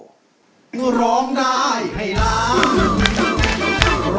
สวัสดีครับ